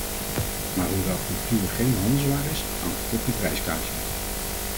Maar hoewel cultuur geen handelswaar is, hangt er toch een prijskaartje aan.